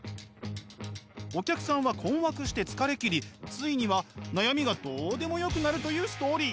お客さんは困惑して疲れ切りついには悩みがどうでもよくなるというストーリー。